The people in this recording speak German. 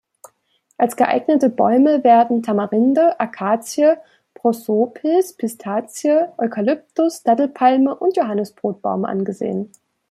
Als geeignete Bäume werden Tamarinde, Akazie, Prosopis, Pistazie, Eukalyptus, Dattelpalme und Johannisbrotbaum angesehen.